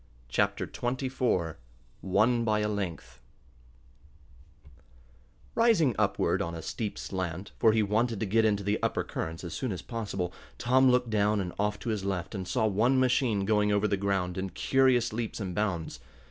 Chapter Twenty Four Won by a Length Rising upward, on a steep slant, for he wanted to get into the upper currents as soon as possible, Tom looked down and off to his left and saw one machine going over the ground in curious leaps and bounds.